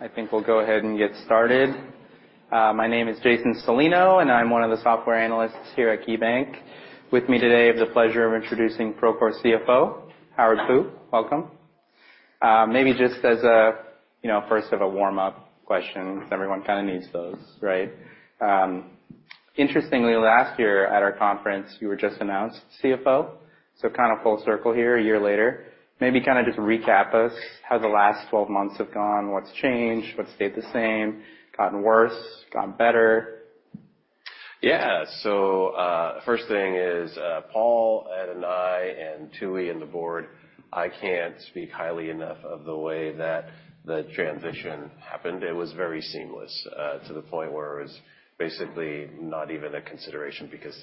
I think we'll go ahead and get started. My name is Jason Celino, and I'm one of the software analysts here at KeyBanc. With me today, I have the pleasure of introducing Procore CFO, Howard Fu. Welcome. Maybe just as a first of a warm-up question, because everyone kind of needs those, right? Interestingly, last year at our conference, you were just announced CFO. So kind of full circle here, a year later. Maybe kind of just recap us, how the last 12 months have gone, what's changed, what's stayed the same, gotten worse, gotten better. Yeah. So first thing is, Paul and I and Tooey and the board, I can't speak highly enough of the way that the transition happened. It was very seamless, to the point where it was basically not even a consideration because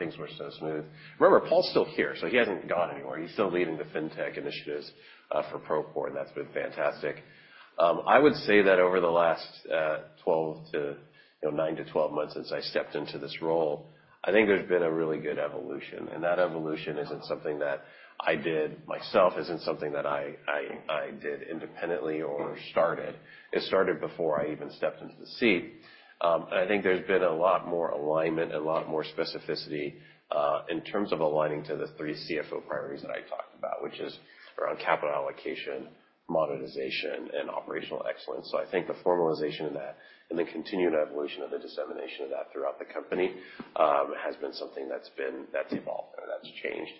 things were so smooth. Remember, Paul's still here, so he hasn't gone anywhere. He's still leading the Fintech initiatives for Procore, and that's been fantastic. I would say that over the last 9-12 months since I stepped into this role, I think there's been a really good evolution. And that evolution isn't something that I did myself, isn't something that I did independently or started. It started before I even stepped into the seat. I think there's been a lot more alignment, a lot more specificity in terms of aligning to the three CFO priorities that I talked about, which is around capital allocation, monetization, and operational excellence. So I think the formalization of that and the continued evolution of the dissemination of that throughout the company has been something that's evolved, that's changed.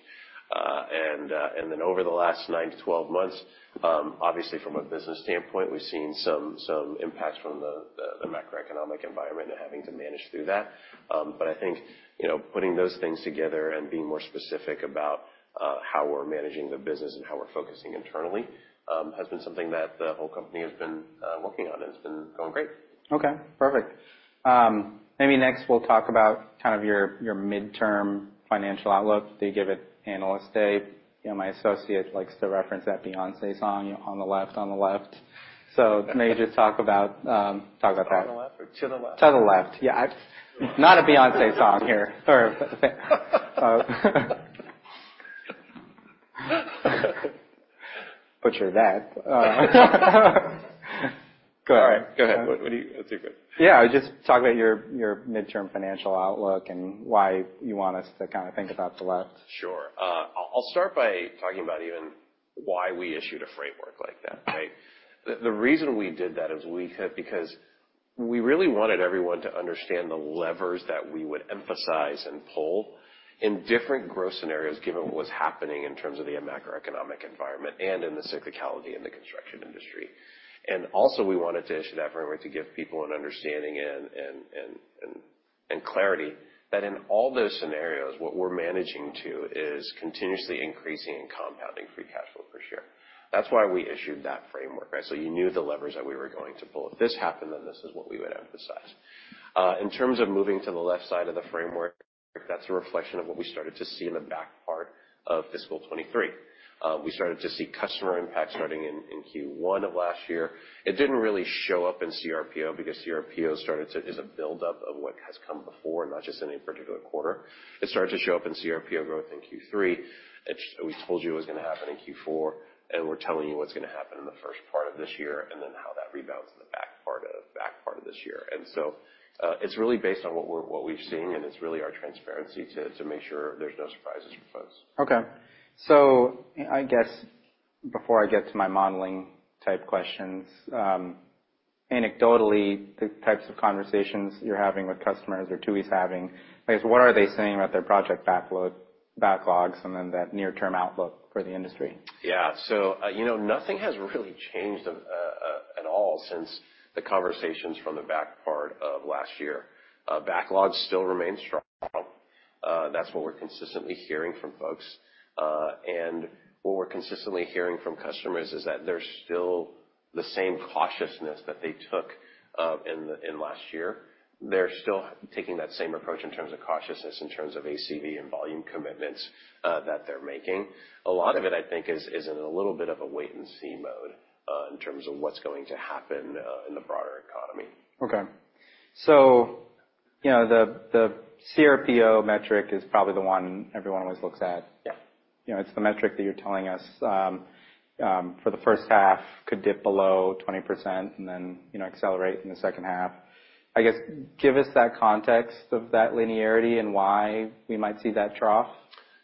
And then over the last 9-12 months, obviously from a business standpoint, we've seen some impacts from the macroeconomic environment and having to manage through that. But I think putting those things together and being more specific about how we're managing the business and how we're focusing internally has been something that the whole company has been working on, and it's been going great. Okay. Perfect. Maybe next we'll talk about kind of your midterm financial outlook. They give it Analyst Day. My associate likes to reference that Beyoncé song on the left, on the left. So maybe just talk about that. To the left or to the left? To the left. Yeah. Not a Beyoncé song here. Put your that. Go ahead. All right. Go ahead. That's your question. Yeah. Just talk about your midterm financial outlook and why you want us to kind of think to the left. Sure. I'll start by talking about even why we issued a framework like that, right? The reason we did that is because we really wanted everyone to understand the levers that we would emphasize and pull in different growth scenarios, given what was happening in terms of the macroeconomic environment and in the cyclicality in the construction industry. Also, we wanted to issue that framework to give people an understanding and clarity that in all those scenarios, what we're managing to is continuously increasing and compounding free cash flow per Share. That's why we issued that framework, right? So you knew the levers that we were going to pull. If this happened, then this is what we would emphasize. In terms of moving to the left side of the framework, that's a reflection of what we started to see in the back part of fiscal 2023. We started to see customer impact starting in Q1 of last year. It didn't really show up in cRPO because cRPO is a buildup of what has come before, not just in a particular quarter. It started to show up in cRPO growth in Q3. We told you it was going to happen in Q4, and we're telling you what's going to happen in the first part of this year and then how that rebounds in the back part of this year. And so it's really based on what we've seen, and it's really our transparency to make sure there's no surprises for folks. Okay. So I guess before I get to my modeling-type questions, anecdotally, the types of conversations you're having with customers or Tooey's having, I guess, what are they saying about their project backlogs and then that near-term outlook for the industry? Yeah. So nothing has really changed at all since the conversations from the back part of last year. Backlogs still remain strong. That's what we're consistently hearing from folks. And what we're consistently hearing from customers is that there's still the same cautiousness that they took in last year. They're still taking that same approach in terms of cautiousness, in terms of ACV and volume commitments that they're making. A lot of it, I think, is in a little bit of a wait-and-see mode in terms of what's going to happen in the broader economy. Okay. So the cRPO metric is probably the one everyone always looks at. It's the metric that you're telling us for the first half could dip below 20% and then accelerate in the second half. I guess, give us that context of that linearity and why we might see that trough.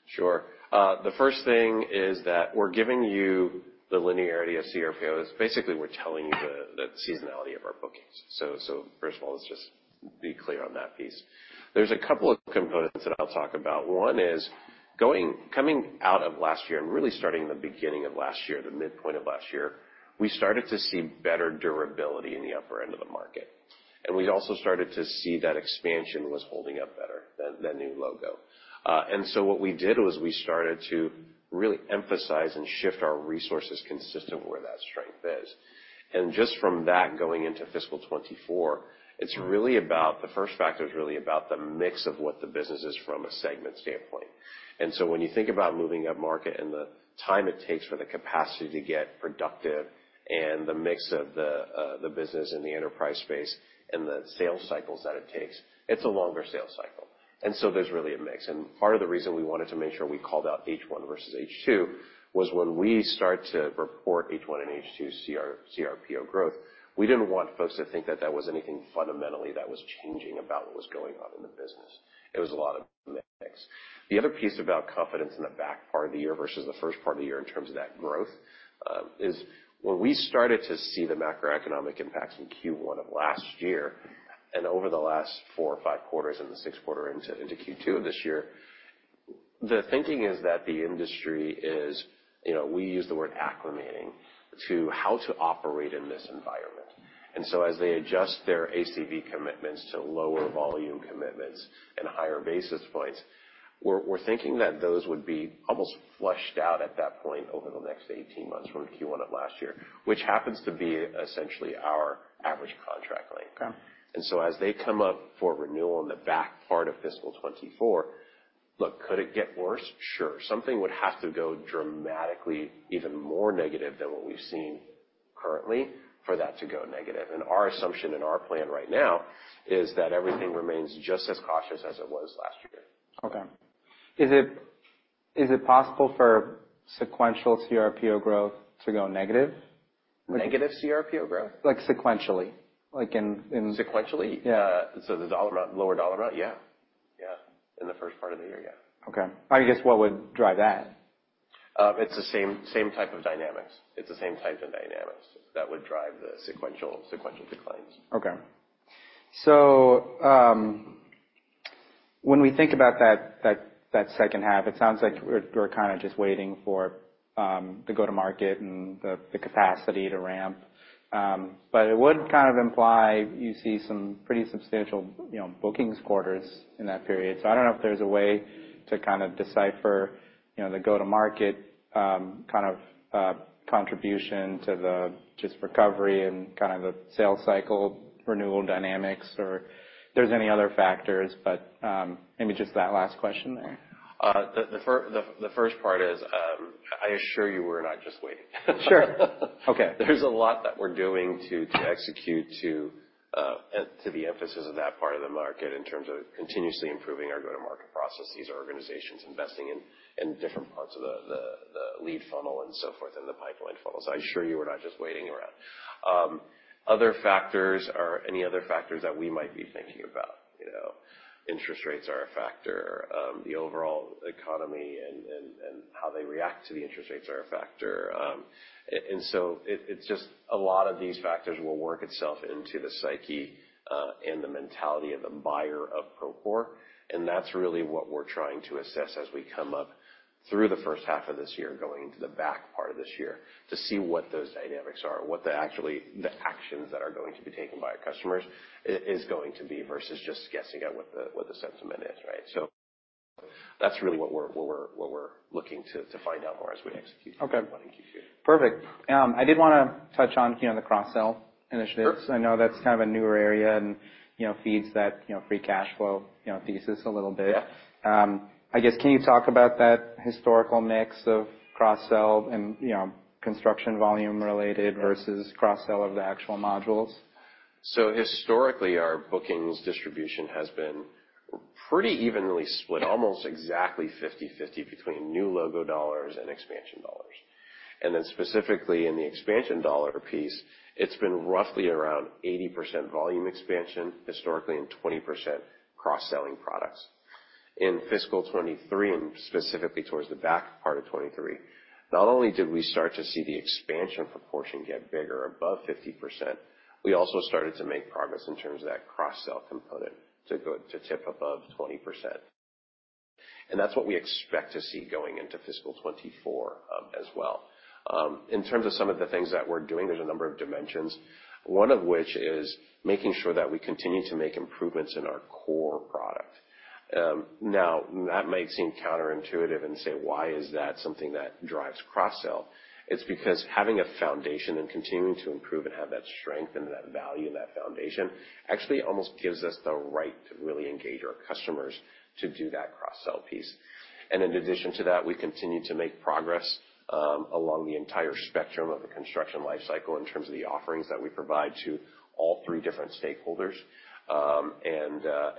Sure. The first thing is that we're giving you the linearity of cRPO. Basically, we're telling you the seasonality of our bookings. So first of all, let's just be clear on that piece. There's a couple of components that I'll talk about. One is coming out of last year and really starting in the beginning of last year, the midpoint of last year, we started to see better durability in the upper end of the market. And we also started to see that expansion was holding up better than the new logo. And so what we did was we started to really emphasize and shift our resources consistent with where that strength is. And just from that going into fiscal 2024, the first factor is really about the mix of what the business is from a segment standpoint. And so when you think about moving up market and the time it takes for the capacity to get productive and the mix of the business and the enterprise space and the sales cycles that it takes, it's a longer sales cycle. And so there's really a mix. And part of the reason we wanted to make sure we called out H1 versus H2 was when we start to report H1 and H2 CRPO growth, we didn't want folks to think that that was anything fundamentally that was changing about what was going on in the business. It was a lot of a mix. The other piece about confidence in the back part of the year versus the first part of the year in terms of that growth is when we started to see the macroeconomic impacts in Q1 of last year and over the last 4 or 5 quarters and the sixth quarter into Q2 of this year, the thinking is that the industry is we use the word acclimating to how to operate in this environment. And so as they adjust their ACV commitments to lower volume commitments and higher basis points, we're thinking that those would be almost flushed out at that point over the next 18 months from Q1 of last year, which happens to be essentially our average contract length. And so as they come up for renewal in the back part of fiscal 2024, look, could it get worse? Sure. Something would have to go dramatically even more negative than what we've seen currently for that to go negative. Our assumption and our plan right now is that everything remains just as cautious as it was last year. Okay. Is it possible for sequential cRPO growth to go negative? Negative cRPO growth? Sequentially. In. Sequentially? Yeah. The lower dollar amount? Yeah. Yeah. In the first part of the year, yeah. Okay. I guess what would drive that? It's the same type of dynamics. It's the same type of dynamics that would drive the sequential declines. Okay. So when we think about that second half, it sounds like we're kind of just waiting for the go-to-market and the capacity to ramp. But it would kind of imply you see some pretty substantial bookings quarters in that period. So I don't know if there's a way to kind of decipher the go-to-market kind of contribution to the just recovery and kind of the sales cycle renewal dynamics or if there's any other factors. But maybe just that last question there. The first part is, I assure you, we're not just waiting. There's a lot that we're doing to execute to the emphasis of that part of the market in terms of continuously improving our go-to-market processes, our organizations investing in different parts of the lead funnel and so forth in the pipeline funnel. So I assure you we're not just waiting around. Other factors are any other factors that we might be thinking about. Interest rates are a factor. The overall economy and how they react to the interest rates are a factor. So it's just a lot of these factors will work itself into the psyche and the mentality of the buyer of Procore. That's really what we're trying to assess as we come up through the first half of this year going into the back part of this year to see what those dynamics are, what the actions that are going to be taken by our customers is going to be versus just guessing at what the sentiment is, right? That's really what we're looking to find out more as we execute what in Q2. Okay. Perfect. I did want to touch on the cross-sell initiative. I know that's kind of a newer area and feeds that free cash flow thesis a little bit. I guess, can you talk about that historical mix of cross-sell and construction volume-related versus cross-sell of the actual modules? So historically, our bookings distribution has been pretty evenly split, almost exactly 50/50 between new logo dollars and expansion dollars. Then specifically in the expansion dollar piece, it's been roughly around 80% volume expansion historically and 20% cross-selling products. In fiscal 2023 and specifically towards the back part of 2023, not only did we start to see the expansion proportion get bigger above 50%, we also started to make progress in terms of that cross-sell component to tip above 20%. That's what we expect to see going into fiscal 2024 as well. In terms of some of the things that we're doing, there's a number of dimensions, one of which is making sure that we continue to make improvements in our core product. Now, that might seem counterintuitive and say, "Why is that something that drives cross-sell?" It's because having a foundation and continuing to improve and have that strength and that value in that foundation actually almost gives us the right to really engage our customers to do that cross-sell piece. And in addition to that, we continue to make progress along the entire spectrum of the construction lifecycle in terms of the offerings that we provide to all three different stakeholders.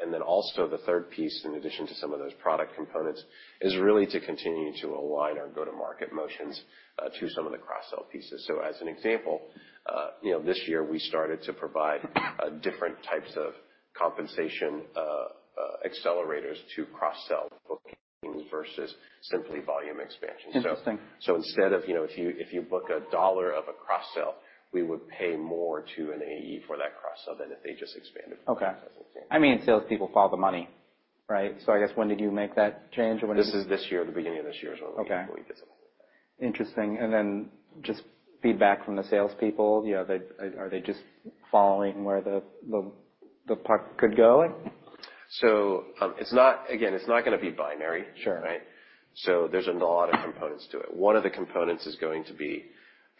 And then also the third piece, in addition to some of those product components, is really to continue to align our go-to-market motions to some of the cross-sell pieces. So as an example, this year, we started to provide different types of compensation accelerators to cross-sell bookings versus simply volume expansion. Instead, if you book $1 of a cross-sell, we would pay more to an AE for that cross-sell than if they just expanded for that sales expansion. Okay. I mean, salespeople follow the money, right? So I guess, when did you make that change, or when did you? This is this year. The beginning of this year is when we did something with that. Okay. Interesting. And then just feedback from the salespeople, are they just following where the puck could go? So again, it's not going to be binary, right? So there's a lot of components to it. One of the components is going to be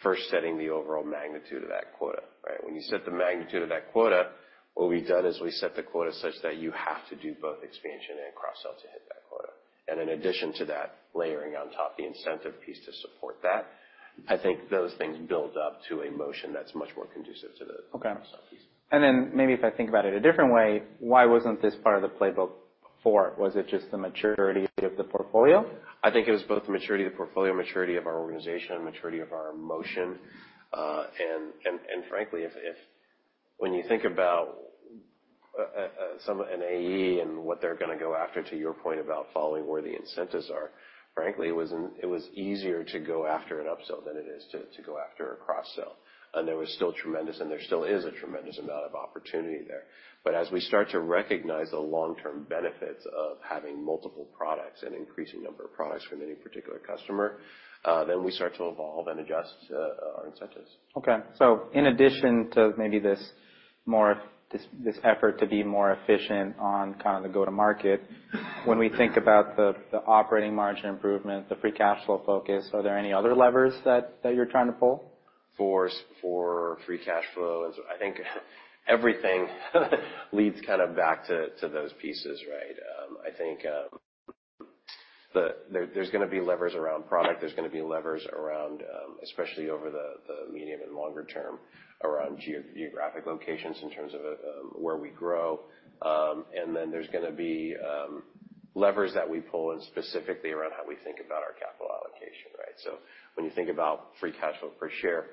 first setting the overall magnitude of that quota, right? When you set the magnitude of that quota, what we've done is we set the quota such that you have to do both expansion and cross-sell to hit that quota. And in addition to that, layering on top the incentive piece to support that, I think those things build up to a motion that's much more conducive to the cross-sell piece. Okay. And then maybe if I think about it a different way, why wasn't this part of the playbook before? Was it just the maturity of the portfolio? I think it was both the maturity of the portfolio, maturity of our organization, maturity of our motion. Frankly, when you think about an AE and what they're going to go after, to your point about following where the incentives are, frankly, it was easier to go after an upsell than it is to go after a cross-sell. There was still tremendous and there still is a tremendous amount of opportunity there. But as we start to recognize the long-term benefits of having multiple products and an increasing number of products for any particular customer, then we start to evolve and adjust our incentives. Okay. So in addition to maybe this effort to be more efficient on kind of the go-to-market, when we think about the operating margin improvement, the free cash flow focus, are there any other levers that you're trying to pull? For Free Cash Flow and so I think everything leads kind of back to those pieces, right? I think there's going to be levers around product. There's going to be levers around especially over the medium and longer term around geographic locations in terms of where we grow. And then there's going to be levers that we pull in specifically around how we think about our capital allocation, right? So when you think about Free Cash Flow per Share,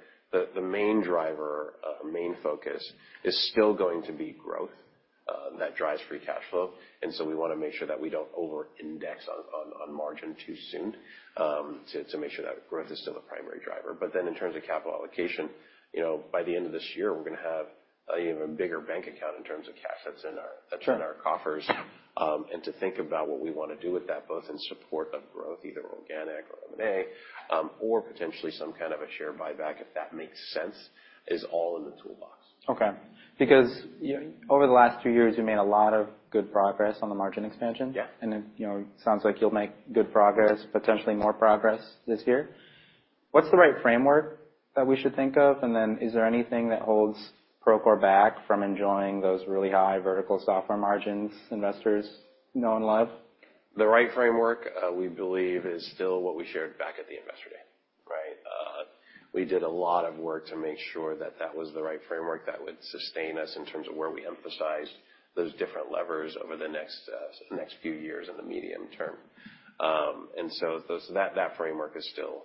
the main driver, main focus is still going to be growth that drives Free Cash Flow. And so we want to make sure that we don't over-index on margin too soon to make sure that growth is still the primary driver. But then in terms of capital allocation, by the end of this year, we're going to have a bigger bank account in terms of cash that's in our coffers. To think about what we want to do with that, both in support of growth, either organic or M&A or potentially some kind of a share buyback if that makes sense, is all in the toolbox. Okay. Because over the last two years, you've made a lot of good progress on the margin expansion. It sounds like you'll make good progress, potentially more progress this year. What's the right framework that we should think of? Then is there anything that holds Procore back from enjoying those really high vertical software margins investors know and love? The right framework, we believe, is still what we shared back at the Investor Day, right? We did a lot of work to make sure that that was the right framework that would sustain us in terms of where we emphasized those different levers over the next few years in the medium term. And so that framework is still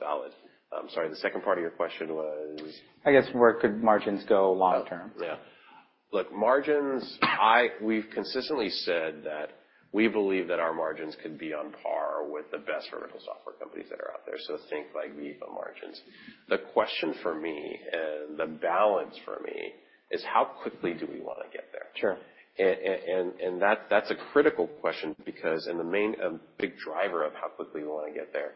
valid. I'm sorry. The second part of your question was? I guess, where could margins go long-term? Oh. Yeah. Look, margins, we've consistently said that we believe that our margins could be on par with the best vertical software companies that are out there. So think like Veeva margins. The question for me and the balance for me is how quickly do we want to get there? And that's a critical question because a big driver of how quickly we want to get there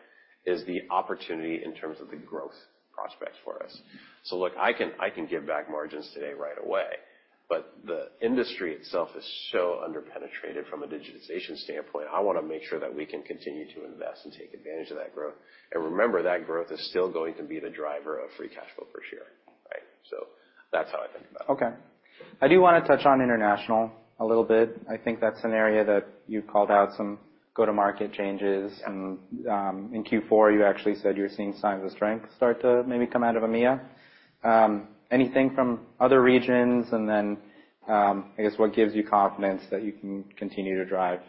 is the opportunity in terms of the growth prospects for us. So look, I can give back margins today right away, but the industry itself is so underpenetrated from a digitization standpoint. I want to make sure that we can continue to invest and take advantage of that growth. And remember, that growth is still going to be the driver of free cash flow per share, right? So that's how I think about it. Okay. I do want to touch on international a little bit. I think that's an area that you've called out some go-to-market changes. In Q4, you actually said you were seeing signs of strength start to maybe come out of EMEA. Anything from other regions? Then I guess what gives you confidence that you can continue to drive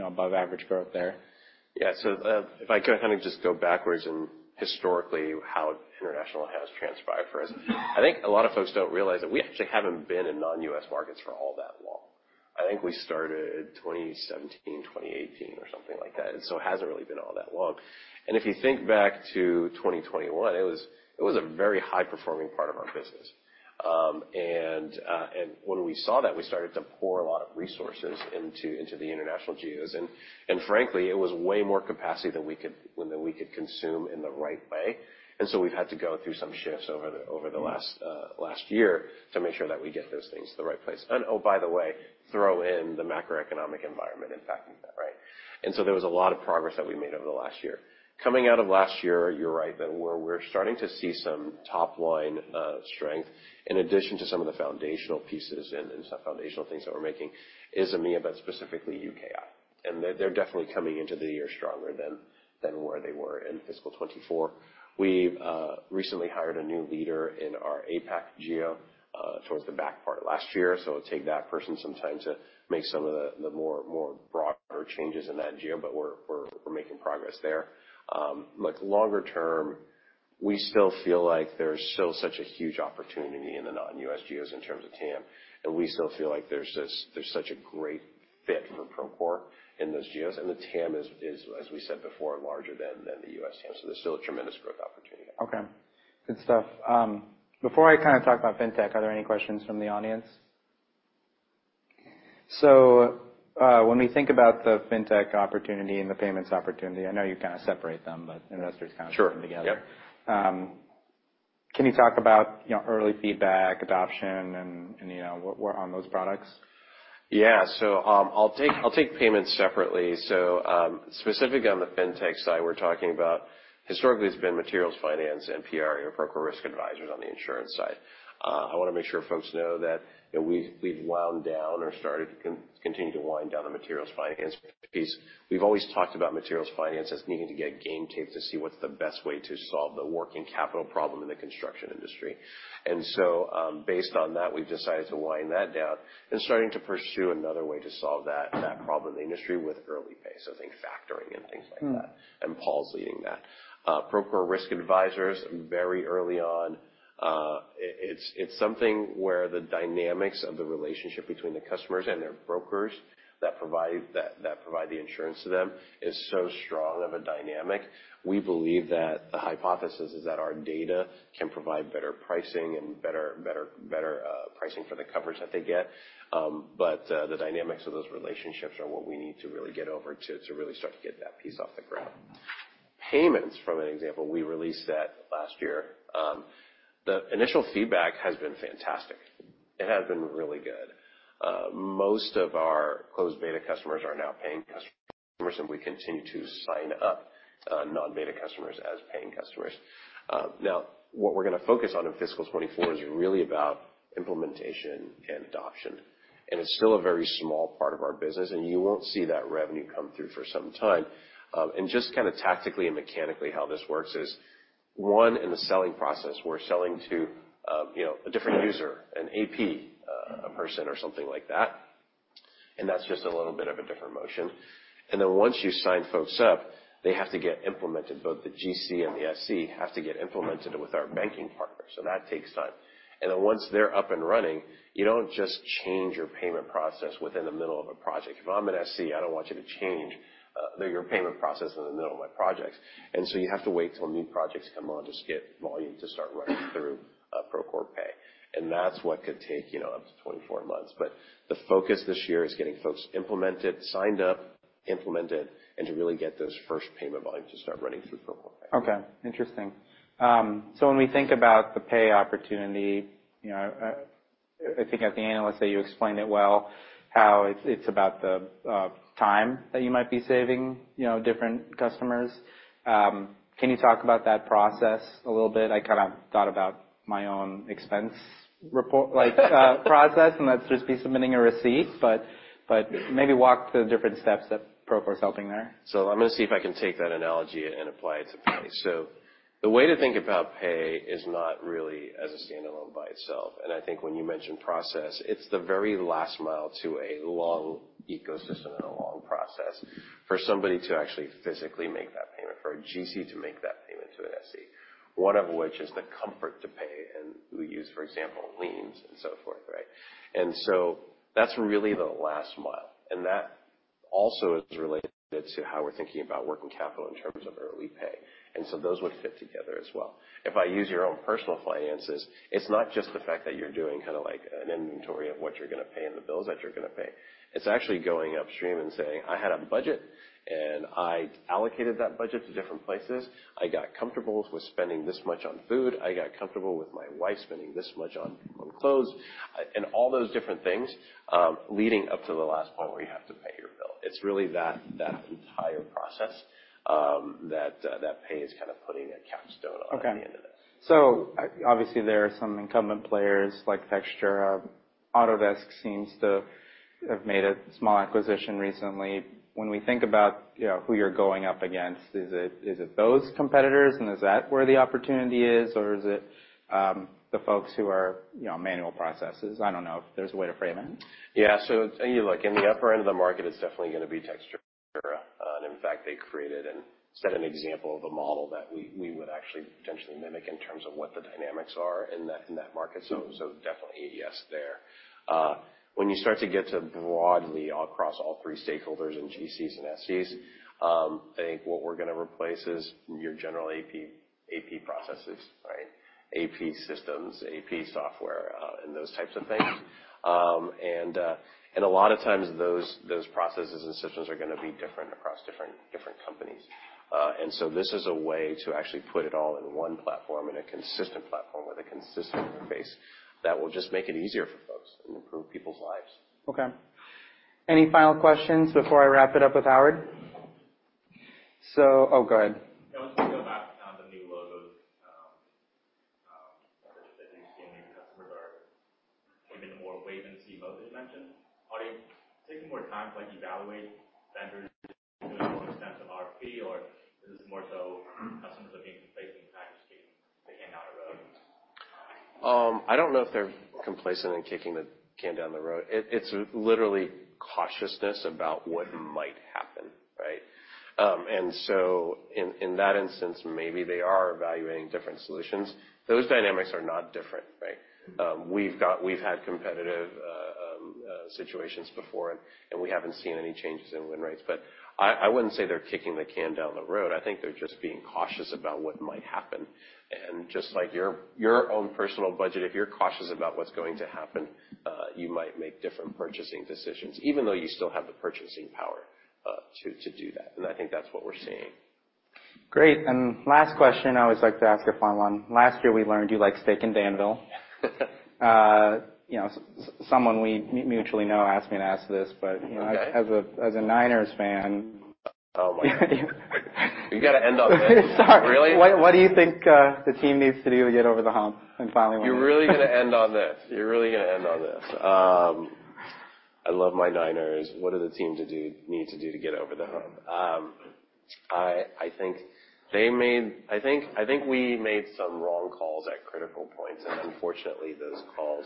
above-average growth there? Yeah. So if I kind of just go backwards in historically how international has transpired for us, I think a lot of folks don't realize that we actually haven't been in non-U.S. markets for all that long. I think we started 2017, 2018 or something like that. And so it hasn't really been all that long. And if you think back to 2021, it was a very high-performing part of our business. And when we saw that, we started to pour a lot of resources into the international geos. And frankly, it was way more capacity than we could consume in the right way. And so we've had to go through some shifts over the last year to make sure that we get those things to the right place. And oh, by the way, throw in the macroeconomic environment impacting that, right? So there was a lot of progress that we made over the last year. Coming out of last year, you're right that we're starting to see some top-line strength. In addition to some of the foundational pieces and some foundational things that we're making is EMEA, but specifically UKI. And they're definitely coming into the year stronger than where they were in fiscal 2024. We recently hired a new leader in our APAC geo towards the back part last year. So it'll take that person some time to make some of the more broader changes in that geo, but we're making progress there. Look, longer term, we still feel like there's still such a huge opportunity in the non-US geos in terms of TAM. And we still feel like there's such a great fit for Procore in those geos. The TAM is, as we said before, larger than the US TAM. There's still a tremendous growth opportunity. Okay. Good stuff. Before I kind of talk about Fintech, are there any questions from the audience? When we think about the Fintech opportunity and the payments opportunity, I know you kind of separate them, but investors kind of put them together. Can you talk about early feedback, adoption, and what on those products? Yeah. So I'll take payments separately. So specifically on the fintech side, we're talking about historically, it's been Materials Financing and PRA or Procore Risk Advisors on the insurance side. I want to make sure folks know that we've wound down or started to continue to wind down the Materials Financing piece. We've always talked about Materials Financing as needing to get game tape to see what's the best way to solve the working capital problem in the construction industry. And so based on that, we've decided to wind that down and starting to pursue another way to solve that problem in the industry with Early Pay. So think factoring and things like that. And Paul's leading that. Procore Risk Advisors, very early on, it's something where the dynamics of the relationship between the customers and their brokers that provide the insurance to them is so strong of a dynamic. We believe that the hypothesis is that our data can provide better pricing and better pricing for the coverage that they get. But the dynamics of those relationships are what we need to really get over to really start to get that piece off the ground. Payments, for an example, we released that last year. The initial feedback has been fantastic. It has been really good. Most of our closed beta customers are now paying customers, and we continue to sign up non-beta customers as paying customers. Now, what we're going to focus on in fiscal 2024 is really about implementation and adoption. It's still a very small part of our business, and you won't see that revenue come through for some time. And just kind of tactically and mechanically, how this works is, one, in the selling process, we're selling to a different user, an AP person or something like that. And that's just a little bit of a different motion. And then once you sign folks up, they have to get implemented. Both the GC and the SC have to get implemented with our banking partner. So that takes time. And then once they're up and running, you don't just change your payment process within the middle of a project. If I'm an SC, I don't want you to change your payment process in the middle of my projects. And so you have to wait till new projects come on to get volume to start running through Procore Pay. And that's what could take up to 24 months. But the focus this year is getting folks implemented, signed up, implemented, and to really get those first payment volumes to start running through Procore Pay. Okay. Interesting. So when we think about the pay opportunity, I think at the analyst day, you explained it well, how it's about the time that you might be saving different customers. Can you talk about that process a little bit? I kind of thought about my own expense process, and that's just me submitting a receipt. But maybe walk the different steps that Procore's helping there. I'm going to see if I can take that analogy and apply it to pay. The way to think about pay is not really as a standalone by itself. I think when you mentioned process, it's the very last mile to a long ecosystem and a long process for somebody to actually physically make that payment, for a GC to make that payment to an SC, one of which is the comfort to pay and who use, for example, liens and so forth, right? That's really the last mile. That also is related to how we're thinking about working capital in terms of early pay. Those would fit together as well. If I use your own personal finances, it's not just the fact that you're doing kind of an inventory of what you're going to pay and the bills that you're going to pay. It's actually going upstream and saying, "I had a budget, and I allocated that budget to different places. I got comfortable with spending this much on food. I got comfortable with my wife spending this much on clothes." And all those different things leading up to the last point where you have to pay your bill. It's really that entire process that pay is kind of putting a capstone on at the end of that. Okay. So obviously, there are some incumbent players like Textura. Autodesk seems to have made a small acquisition recently. When we think about who you're going up against, is it those competitors? And is that where the opportunity is? Or is it the folks who are manual processes? I don't know if there's a way to frame it. Yeah. So in the upper end of the market, it's definitely going to be Textura. And in fact, they created and set an example of a model that we would actually potentially mimic in terms of what the dynamics are in that market. So definitely, yes, there. When you start to get to broadly across all three stakeholders and GCs and SCs, I think what we're going to replace is your general AP processes, right? AP systems, AP software, and those types of things. And a lot of times, those processes and systems are going to be different across different companies. And so this is a way to actually put it all in one platform, in a consistent platform with a consistent interface that will just make it easier for folks and improve people's lives. Okay. Any final questions before I wrap it up with Howard? So, oh, go ahead. I want to go back around the new logos that you've seen. These customers are giving more wait-and-see mode that you mentioned. Are they taking more time to evaluate vendors in a more extensive RFP, or is this more so customers are being complacent and just kicking the can down the road? I don't know if they're complacent and kicking the can down the road. It's literally cautiousness about what might happen, right? And so in that instance, maybe they are evaluating different solutions. Those dynamics are not different, right? We've had competitive situations before, and we haven't seen any changes in win rates. But I wouldn't say they're kicking the can down the road. I think they're just being cautious about what might happen. And just like your own personal budget, if you're cautious about what's going to happen, you might make different purchasing decisions even though you still have the purchasing power to do that. And I think that's what we're seeing. Great. And last question, I always like to ask a final one. Last year, we learned you like steak in Danville. Someone we mutually know asked me to ask this. But as a Niners fan. Oh my God. You got to end on this. Really? Sorry. What do you think the team needs to do to get over the hump in filing one of these? You're really going to end on this. You're really going to end on this. I love my Niners. What does the team need to do to get over the hump? I think we made some wrong calls at critical points. And unfortunately, those calls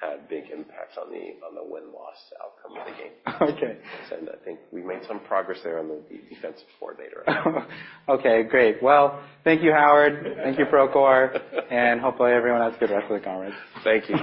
had big impacts on the win-loss outcome of the game. And I think we made some progress there on the defensive coordinator on. Okay. Great. Well, thank you, Howard. Thank you, Procore. And hopefully, everyone has a good rest of the conference. Thank you.